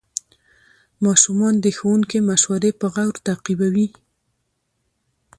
ماشومان د ښوونکي مشورې په غور تعقیبوي